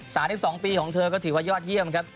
สามสิบสองปีของเธอก็ถือว่ายอดเยี่ยมครับ